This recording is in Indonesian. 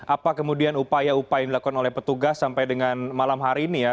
apa kemudian upaya upaya yang dilakukan oleh petugas sampai dengan malam hari ini ya